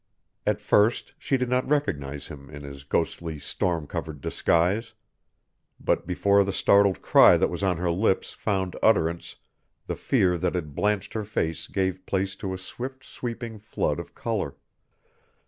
At first she did not recognize him in his ghostly storm covered disguise. But before the startled cry that was on her lips found utterance the fear that had blanched her face gave place to a swift sweeping flood of color.